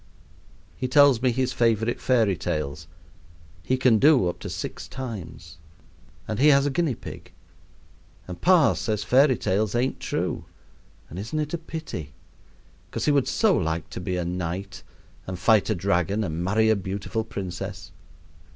He tells me his favorite fairy tales, he can do up to six times, and he has a guinea pig, and pa says fairy tales ain't true; and isn't it a pity? 'cos he would so like to be a knight and fight a dragon and marry a beautiful princess.